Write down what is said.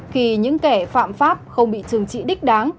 khi những kẻ phạm pháp không bị trừng trị đích đáng